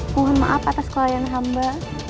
mohon maaf atas kelayan hamba